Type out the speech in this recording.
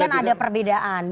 tadi kan ada perbedaan